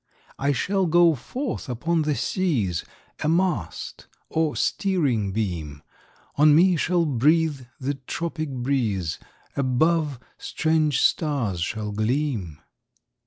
"I shall go forth upon the seas, A mast, or steering beam; On me shall breathe the tropic breeze, Above, strange stars shall gleam.'